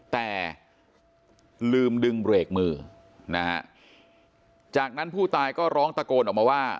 แต่ลืมดึงเบรกมือนะฮะจากนั้นผู้ตายก็ร้องตะโกนออกมาว่า